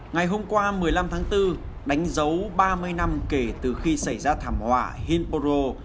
ngày hôm qua một mươi năm tháng bốn đánh dấu ba mươi năm kể từ khi xảy ra thảm họa hinboro